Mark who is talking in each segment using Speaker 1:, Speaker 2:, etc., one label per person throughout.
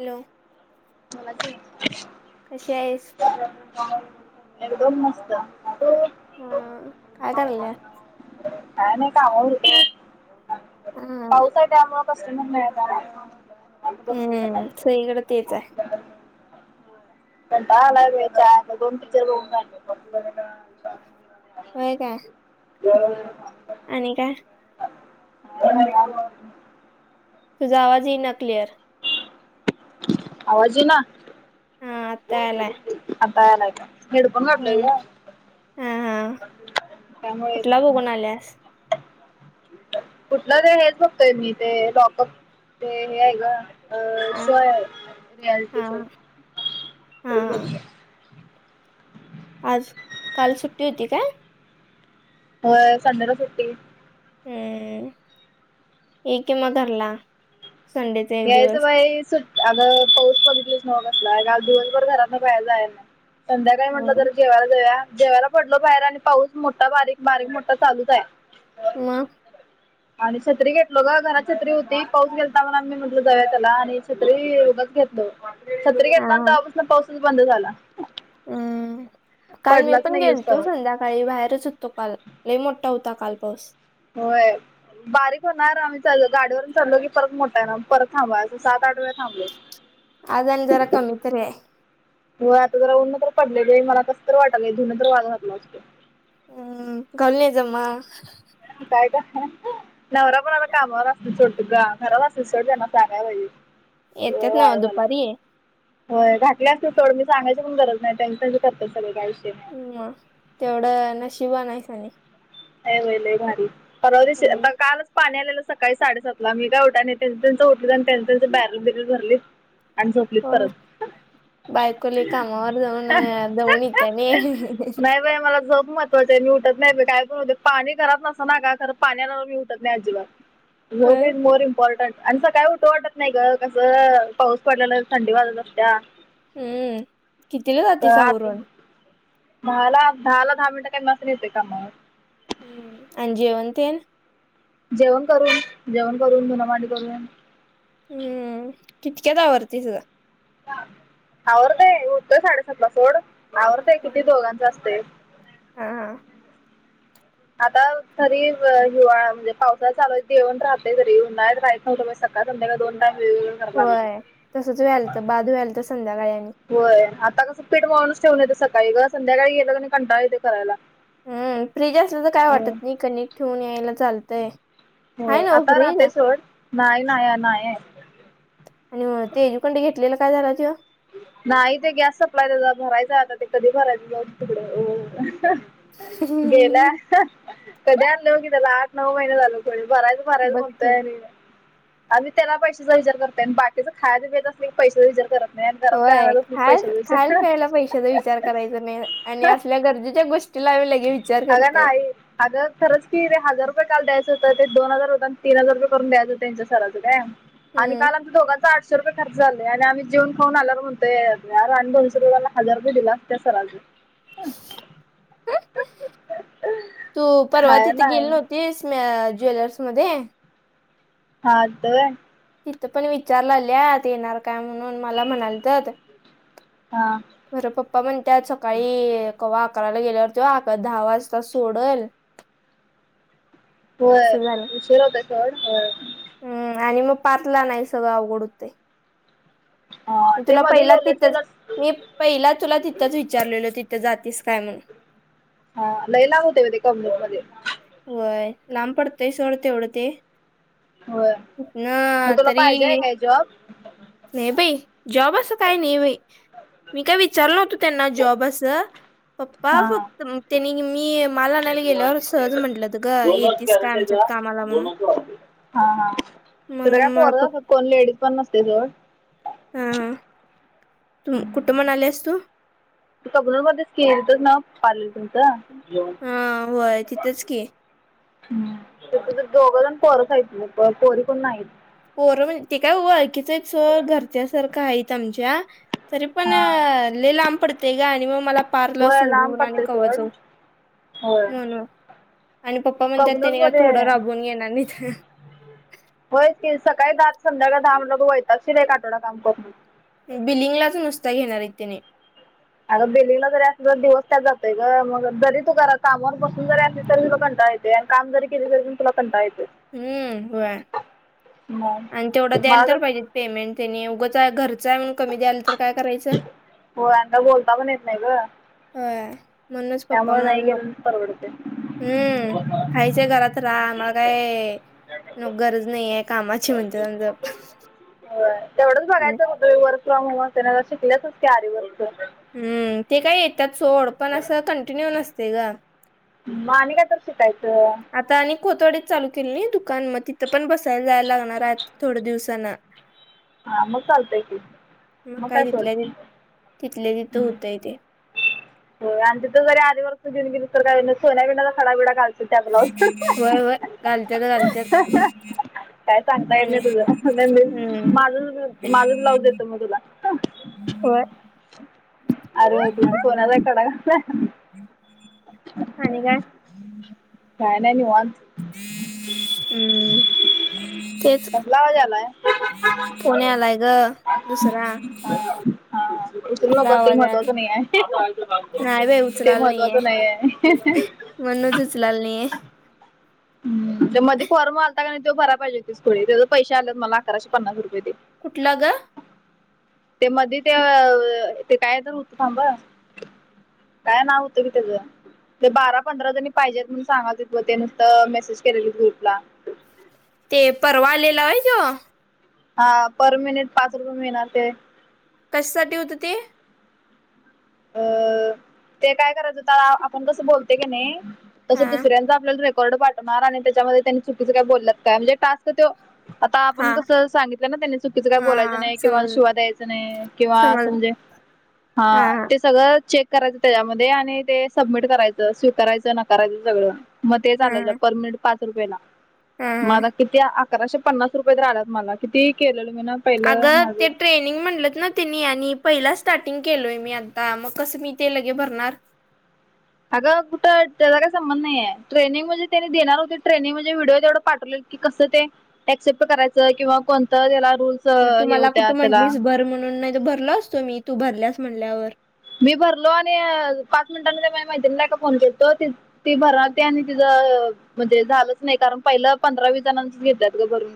Speaker 1: Hello
Speaker 2: बोला कि
Speaker 1: कशी आहेस?
Speaker 2: एकदम मस्त तु
Speaker 1: काय करायले?
Speaker 2: काय नाही कामावर
Speaker 1: हा.
Speaker 2: पाऊस आहे का मग? कस्टमर नाहीत बसलो सकाळ पासून
Speaker 1: सगळी कडे तेच आहे.
Speaker 2: कंटाळा आला बाई काल दोन पिक्चर बघून काढलेत
Speaker 1: होय का
Speaker 2: ते
Speaker 1: आणि काय?
Speaker 2: [unintelligible]
Speaker 1: तुझा आवाज येइना क्लिअर.
Speaker 2: आवाज येईना.
Speaker 1: हा आत्ता आलाय.
Speaker 2: आता यालाय का. हेडफोन घातले
Speaker 1: हम्म
Speaker 2: ग
Speaker 1: हा हा
Speaker 2: त्यामुळे
Speaker 1: कुठला बघून आल्यास?
Speaker 2: कुठला ते हेच बघतोय मी ते लॉकअप ते हे आहे ग अ
Speaker 1: हा
Speaker 2: शो आहे रियालिटी
Speaker 1: हा
Speaker 2: शो
Speaker 1: हा आज काल सुट्टी होती का?
Speaker 2: होय संडे ला सुट्टी
Speaker 1: हम्म ये कि मग घरला संडेचा एक
Speaker 2: यायचं
Speaker 1: दिवस.
Speaker 2: बाई सुट्ट आग पाऊस बघितला ना कसला काल दिवसभर घरातन बाहेर जायला नाही संध्याकाळी म्हटलं
Speaker 1: हम्म
Speaker 2: जरा जेवाला जेवाला पडलो बाहेर आणि पाऊस मोठा बारीक बारीक मोठा चालूच आहे.
Speaker 1: मग.
Speaker 2: आणि छत्री घेतलो ग घरात छत्री होती पाऊस गेलता म्हनूण [unintelligible] छत्री घेतल्या
Speaker 1: हा
Speaker 2: तेव्हा पासन पाऊस यायचं बंद झाला.
Speaker 1: हम्म काल मी
Speaker 2: पडलाच
Speaker 1: पण
Speaker 2: नाही येऊस
Speaker 1: गेलतो
Speaker 2: तवर.
Speaker 1: संध्याकाळी बाहेरच होत तो काल ल मोठा होता काल पाऊस.
Speaker 2: होय. बारीक होणार आम्ही चालो गाडीवर चालो की परत मोठा आहे ना परत थांबावाय अस सात आठ वेळा थांबलो.
Speaker 1: आज आणि जरा कमी तर हाय.
Speaker 2: हो आता जरा ऊन तर पडलेली मला कस तर वाटलंय थुन तर वाळू घातला असतो.
Speaker 1: हम्म घालून ये जा मग.
Speaker 2: काय ग [unintelligible] नवरा पण आता कामावर असतो सोड तुझा घरावर असतील सोड त्यांना सांगाय लागली. ओ
Speaker 1: येतात ना
Speaker 2: वाळू घाला.
Speaker 1: दुपारी आहे
Speaker 2: होय घातले असते सोड मी सांगायची पण गरज नाही त्याच त्याच ते करतात सगळे काय विषय नाही.
Speaker 1: ह तेवढं नशीब वाण आहेस आणि
Speaker 2: लय बाई लय भारी परवा दिवशी
Speaker 1: हम्म.
Speaker 2: काल पाणी आलेलं सकाळी साडेसातला मी काय उठाने त्यां त्यांचं होटलं आणि त्यांच त्यांं बॅरल बिरल भरली आणि झोपलीत परत.
Speaker 1: बायकोली कामावर जाऊन दमून येता बी.
Speaker 2: नाही बा मला झोप महत्वची मी उठत नाही काय करून पाणी घरात नस ना का खर पाण्या मी उठत नाही अजिबात. झोप
Speaker 1: होय.
Speaker 2: Is more important. आणि सकाळी उठू वाटत नाही ग कसं पाऊस पडलेला थंडी वाजत असत्या
Speaker 1: हम्म कितीला
Speaker 2: तर
Speaker 1: जाते
Speaker 2: आत
Speaker 1: आवरण.
Speaker 2: दहाला दहाला दहा मिनिटं कमी असताना येतो कामा वर
Speaker 1: अन जेवण तीन.
Speaker 2: जेवण करून जेवण करून धून भाडी करून
Speaker 1: हम्म कितक्यात आवरते तुझ.
Speaker 2: आवरतय उरतोय साडेसातला सोड आवरतेय किती दोघांच असतय.
Speaker 1: हा.
Speaker 2: आता तरी हिवाळा म्हणजे पावसा चालूयऊण राहते घरी उन्हात राह हो सकाात दोन टाईम
Speaker 1: होय तसच व्यालत बाजू व्यालत संध्याकाळ आणि
Speaker 2: होय आता कसं पीठ माणूनच ठेवून येते सकाळी ग संध्याकाळी गेलं क कंटाळ येते करायला.
Speaker 1: हम्म फ्रीज असल्या तर काय
Speaker 2: होय
Speaker 1: वाटत नाही कने ठेऊून यायला चालतंय. हाय
Speaker 2: होय
Speaker 1: ना
Speaker 2: आता
Speaker 1: फ्रीज
Speaker 2: राहते सोड नाही नाही नाही.
Speaker 1: आणि तेजूकंडे घेतलेलं काय झाला तिव.
Speaker 2: नाही ते गॅस सप्लाय त्या भरायचा आता ते कधी भरायच जाऊ दे तिकड. गेल्या कधी आणले हो की त्याला आठ नऊ महिने झाल पुढ बरायचं, परयल
Speaker 1: बघ
Speaker 2: कोणत
Speaker 1: की
Speaker 2: आहे नाही. आम्ही त्याला पैशाचा विचार करतनाही आणि बाकीचं खायचं पियचं असल की पैसेचा विचार करत नाही. घरात काय
Speaker 1: होय
Speaker 2: आणायचं असलं की
Speaker 1: खाल
Speaker 2: पैशाचा
Speaker 1: खाल
Speaker 2: विचार
Speaker 1: प्यायला पैशाचा विचार. करायच नाही आणि असल्या गरजेच्या गोष्टी लागल्या की
Speaker 2: झाल का आई. अगं खरच की ते हजार रुपये काल द्यायचं होतं ते दोन हजार होत आणि तन हजार रुये करून द्यायच हों त्यांच्या सराचं काय. आणि
Speaker 1: हम्म
Speaker 2: काल आम दोघात आठशे रुपये खर्च झालेय आणि आम्ही जेऊन खऊन आल्यावरणोयर आणि दोनशे रुपया मला हार रुपये दिला त्या सरा
Speaker 1: तू परवा
Speaker 2: खाया
Speaker 1: तिथे गेली
Speaker 2: नाही
Speaker 1: नव्हती ज्वेलर्स मध्ये.
Speaker 2: हा त.
Speaker 1: तिथं पण विचारला लत येणार काय म्हणून मला म्हणाल तर.
Speaker 2: हा.
Speaker 1: बर पप्पा म्हणतातात सकाळी कवा. अकाला गेल्यावर त आ दहा वाजता सोडल.
Speaker 2: होय
Speaker 1: असं झालं
Speaker 2: उशीराहते चड होय.
Speaker 1: हम्म आणि मग पातला नाही सगळं अवघड ते.
Speaker 2: हा
Speaker 1: मी
Speaker 2: ते
Speaker 1: तुला
Speaker 2: मधी
Speaker 1: पहिला
Speaker 2: लोलेच
Speaker 1: तिथंच
Speaker 2: विनच
Speaker 1: मी पहिला तुला तिथंच विचारलेलो तिथं जातीस काय म्हणून.
Speaker 2: हा लय लावते म ते कमज मध्ये.
Speaker 1: होय लांब पडतय सोडते एवढते.
Speaker 2: होय
Speaker 1: ना
Speaker 2: मग तुला
Speaker 1: तरी.
Speaker 2: पाहिजे आहे काय जॉब.
Speaker 1: ने बाई जॉब असं काही नाही बई. मी काय विचारलं नवत त्यांना जॉब अस पप्पा
Speaker 2: हा
Speaker 1: फक्त त्यांनी मी. मला आणयला गेल्यावर सहज म्हंटलं त ग येेतस काय आमच्यात कामाला म्हणून.
Speaker 2: हा हा हा तिथं काय
Speaker 1: मग प.
Speaker 2: पोरं कोण लेडीज पण नसते जड.
Speaker 1: हा तू कुठं म्हणा आलेस तू
Speaker 2: तगन मध्येच केल तरच ना पाले तुमचं.
Speaker 1: हा होय तिथंच की.
Speaker 2: हम तु दोघं जण पोरसय ना प पोरी पण नाही.
Speaker 1: पोरं म्हण ते काय ळखीच आहे स घरच्या सारखं आहेत आमच्या. तरी पण
Speaker 2: हा
Speaker 1: ले लांब पडते ग आणि मग मला पारला
Speaker 2: होय लांब
Speaker 1: सोडून आणि
Speaker 2: पडतंय
Speaker 1: कव
Speaker 2: सोड
Speaker 1: जाऊ.
Speaker 2: होय.
Speaker 1: म्हणून आणि पप्पा म्हणतात त्यांनी का
Speaker 2: कबनूरमध्ये
Speaker 1: थोडं राबून घेणार नाहीथ.
Speaker 2: होयच क सकाळी दात संध्याकाळ दहा ल वैत असशील एक आठवडा काम करून.
Speaker 1: बिलिंगलाच नुसता घेणार आहे त्याने.
Speaker 2: अगं बेलींगला जरी अस तर दिवस त्यात जातय का मग जरी तू करा कामावर बसून जरी असली तरी तुध कंटा. आणि काम जरी केले तरी प तुला कंटा येत.
Speaker 1: हम्म हो आणि
Speaker 2: मग
Speaker 1: तेवढं द्यायला
Speaker 2: मला
Speaker 1: तर पाहिजे. पेमेंट त्यांनी उगंच आहे घरचं आहे म्हण कमी द्याल तरी.
Speaker 2: हो अंद बोलता पण येत नाही ग.
Speaker 1: ह. म्हणूनच पप्पा म्हणा
Speaker 2: गेलेलं परवडतंय.
Speaker 1: हम्म खायच आहे घरात राहा मला काय? मग गरज नाही आहे कामाची म्हणते समज.
Speaker 2: हो तेवढंच बघायचं होत वर्क फ्रॉम होम शिकल्याच की आर वर्.
Speaker 1: हम्म ते काय येतात सोड पण असं कंटिन्यू नसते ग.
Speaker 2: मग आणि काय तर शिकायचं.
Speaker 1: आता आणि कोथवडीत चालू केली नाही दुकान मग तिथं पण बसायला जायला लागणार आहे. थोड दिवसांना.
Speaker 2: हां मग चालतंय की
Speaker 1: मग काय तिथल्या त तिथल्या तिथं होतंय ते.
Speaker 2: हो आणि तथ जरी आध वर्ष जेऊनेली तर का सोन्या पिण्याचा खडा बिडा. त्या ब्लाऊज
Speaker 1: वय व घालतच घालत.
Speaker 2: काय सांगतायेत मी तुझ
Speaker 1: हम्म
Speaker 2: माझ माझ ब्लाउज येतो मग तुला.
Speaker 1: होय
Speaker 2: अर सोनला कड का.
Speaker 1: आणि काय?
Speaker 2: काय नाही निवांत.
Speaker 1: हम्म तेच
Speaker 2: लावालेलाय.
Speaker 1: फोन यायला ग, दुसरा
Speaker 2: हां हां उचलू
Speaker 1: तुझा
Speaker 2: नको ते
Speaker 1: आवाज
Speaker 2: महत्त्वाचं नाही आहे,
Speaker 1: नाही बाई
Speaker 2: ते
Speaker 1: उचलाल नाहीये
Speaker 2: महत्वाचं नाही आहे.
Speaker 1: म्हणूनच उचलाली नायए.
Speaker 2: ह, त्यो मध्ये फॉर्म आलता का नाय त्यो भराय पाहिजे खुळे, त्याचे पैसे आलेत मला अकराशे पन्नास रुपये ते.
Speaker 1: कुठलं ग?
Speaker 2: ते मध्ये ते अ, ते काय तर होत थांब अ काय नाव होतं की त्याचं? ते बारा पंधरा जणी पाहिजेत म्हणून सांगालतीत, ते नुसतं मेसेज केलेली ग्रुपला.
Speaker 1: ते परवा आलेला व्हय त्यो.
Speaker 2: हा पर मिनिट पाच रुपये मिळणार ते.
Speaker 1: कशासाठी होतं ते?
Speaker 2: अ ते काय करायच होता, आपण कसं बोलते की नाय
Speaker 1: हा
Speaker 2: तसं दुसऱ्यांचा आपल्याला रेकॉर्ड पाठवणार, आणि त्याच्यामध्ये त्यांनी चुकीचं काय बोलल्यात काय म्हणजे टास्क ते आता
Speaker 1: हा
Speaker 2: आपण कसं सांगितलं ना त्यांनी चुकीचं काय
Speaker 1: हा
Speaker 2: बोलायचं
Speaker 1: हा
Speaker 2: नाही, किंवा
Speaker 1: समजलं
Speaker 2: शिवा द्यायचं नाही किंवा असं
Speaker 1: समजलं
Speaker 2: म्हणजे हा ते सगळं चेक करायचं त्याच्यामध्ये, आणि ते सबमिट करायचं स्वीकारायचं, नाकरायचं सगळं. मग तेच आलं ग,
Speaker 1: हा
Speaker 2: पर मिनिट पाच रुपयेला
Speaker 1: हा
Speaker 2: म
Speaker 1: हा.
Speaker 2: किती अकराशे पन्नास रुपये तर आल्यात मला, किती केलेलं मी ना पहिलं
Speaker 1: अगं,
Speaker 2: माझं
Speaker 1: ते ट्रेनिंग म्हणलंत ना नी आणि पहिला स्टार्टिंग केलोय मी आता, मग कसं मी ते लगे भरणार?
Speaker 2: अगं कुठं त्याचा काही संबध नाही आहे, ट्रेनिंग म्हणजे त्यांनी देणार होती ट्रेनिंग म्हणजे व्हिडिओ जेवढं पाठवले कि कसं ते, ऍक्सेप्ट करायचं किंवा कोणतं त्याला रूल्
Speaker 1: मग तू मला कुठं म्हटलीस भर म्हणून, नाही तर भरलो असतो मी तू भरल्यास म्हणल्यावर.
Speaker 2: मी भरलो आणि अ पाच मिनिटांनंतर म मैत्रिणी एका फोन केलतो ते भरालती आणि तिच अ म्हणजे झालंच नाही, कारण पहिलं पंधरा वीस जणांचं घेत्यात ग भरून.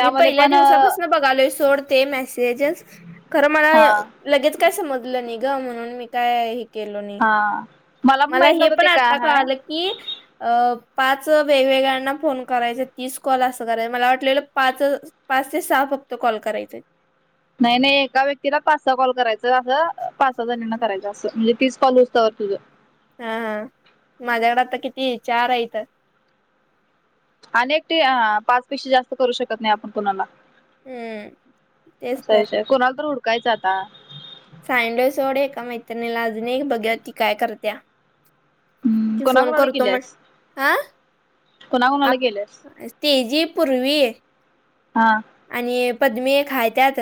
Speaker 1: मी पहिल्या
Speaker 2: पण अ,
Speaker 1: दिवसापासून बघालोय सोडते मेसेजेस, खरं मला
Speaker 2: हा
Speaker 1: लगेच काय समजलं नाही ग, म्हणून मी काय केलो नाय,
Speaker 2: हा पण
Speaker 1: मला
Speaker 2: माहित
Speaker 1: हे
Speaker 2: नव्हतं
Speaker 1: पण
Speaker 2: ते काय
Speaker 1: आता
Speaker 2: हाय.
Speaker 1: कळालं की अ पाच वेगवेगळ्यांना फोन करायचा, तीस कॉल असं करायचं मला वाटलेलं पाच पाच ते सहा फक्त कॉल करायचे.
Speaker 2: नाही नाही एका व्यक्तीला पाच सहा कॉल करायचा असं, पाच सहा जणांना करायचं असं, म्हणजे तीस कॉल होउस्तवर तुझं.
Speaker 1: हा हा, माझ्याकडे आता किती चार आहेत.
Speaker 2: आणि [unintelligible] पाच पेक्षा जास्त करू शकत नाही आपण कोणाला.
Speaker 1: हम्म तेच
Speaker 2: असा
Speaker 1: तर
Speaker 2: विषय हाय, कोणाला तर हुडकायचं आता.
Speaker 1: सांगितलंय सोड एका मैत्रिणीला, अजून एक बघूया ती काय करत्या.
Speaker 2: हम्म
Speaker 1: ती फोन
Speaker 2: कोणाकोणाला
Speaker 1: करतो म्ह
Speaker 2: केल्यास?
Speaker 1: हा
Speaker 2: कोणाकोणाला
Speaker 1: आप
Speaker 2: केल्यास?
Speaker 1: तेजी पूर्वी
Speaker 2: हां
Speaker 1: आणि पद्मी एक हाय त्यात,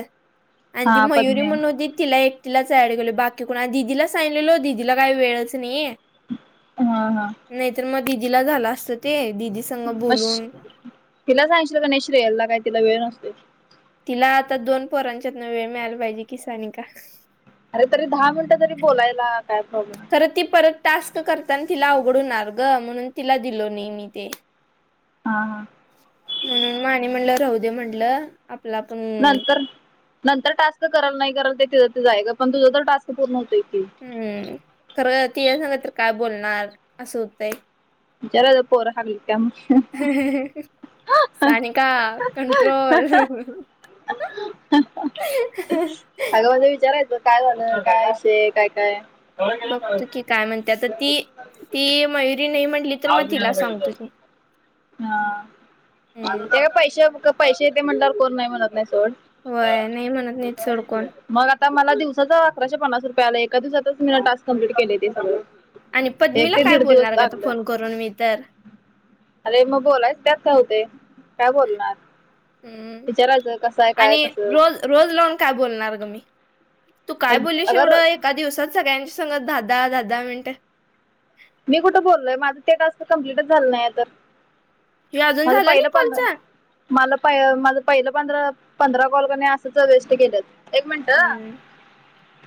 Speaker 1: आणि ती
Speaker 2: हा
Speaker 1: मयुरी
Speaker 2: पद्मे
Speaker 1: म्हणुन होती तिला एक तिलाच ऍड केेलो बाकी कुणा दिदीला सांगलेलो, दिदीला काही वेळच नाही.
Speaker 2: हा हा
Speaker 1: नाहीतर मग दिदीला झालं असतं ते, दिदी संग बोलून
Speaker 2: मग तिला सांगशिलं का नाही श्रेयाला, काय तिला वेळ नसतोय?
Speaker 1: तिला आता दोन पोरांच्यातन वेळ मिळाला पाहिजे कि सानिका.
Speaker 2: अरे तरी दहा मिनिटं तरी बोलायला काय प्रॉब्लेम आहे.
Speaker 1: तर ती परत टास्क करताना तिला अवघडणार ग म्हणून तिला दिलो नाही मी ते
Speaker 2: हां ह
Speaker 1: म्हणून माने म्हणलं राहद म्हणटलं आपला पण
Speaker 2: नंतर नंतर टास्क कल नाही कल ते त ते जाय का पण तुझं तर टास्क पूर्ण होत की
Speaker 1: हम्म खरं ती सांगा तर काय बोलणार असं होतंय
Speaker 2: विचार पोर हगल का
Speaker 1: सानिका कंट्रोल ह
Speaker 2: अगं म्हझं विचारायचं काय झालं काय असे काय काय
Speaker 1: बघतो की काय म्हणतेता ती ती मयुरी नाही म्हणली तर्र मग तिला सांगतो की
Speaker 2: हा
Speaker 1: हम्म
Speaker 2: त्या का पैशा पैसे येते म्हटल्यावर कोण नाही म्हणत नाही सोड ह
Speaker 1: वय नाही म्हणत नाहीत सोड कोण
Speaker 2: मग आता आता मला दिवसाचा अकराशे पन्नास रुपया आला एका दिवसातच मी टाक कं्प्लीट केले ते सगं
Speaker 1: आणि पद्मीला काय बोलणार का आता फोन करून मी तर
Speaker 2: अरे मग बोलायच त्यात होते काय बोलणार
Speaker 1: हम्
Speaker 2: विचारायचं कसं आहे काय
Speaker 1: आणि
Speaker 2: कसं
Speaker 1: रोज रोज लावून काय बोलणार ग मी तू काय
Speaker 2: तर
Speaker 1: बोलली
Speaker 2: अगर
Speaker 1: शेवढं एका दिवसात सगळ्यांची सांगत दादा दादा म्हणते
Speaker 2: मी कुठे बोललोय माझं ते टास्क कम्प्लीटच झालं नाही तर
Speaker 1: हे अजून
Speaker 2: अजू
Speaker 1: झालं
Speaker 2: पाहिला
Speaker 1: नाही
Speaker 2: पता
Speaker 1: कॉलचा
Speaker 2: मला प माझ पहिलं पंधरा पंधरा कॉल करणे असंच अवेस् केलं एक मिनिट
Speaker 1: हम्म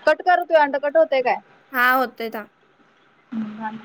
Speaker 2: कट कर होत अंड कट होतय काय
Speaker 1: हा होतय का
Speaker 2: हम्